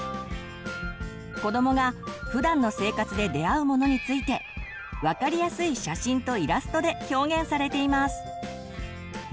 子どもがふだんの生活で出会うものについて分かりやすい写真とイラストで表現されています。